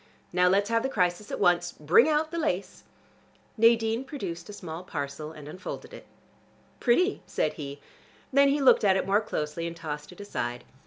Now let's have the crisis at once. Bring out the lace." Nadine produced a small parcel and unfolded it. "Pretty," said he. Then he looked at it more closely, and tossed it aside.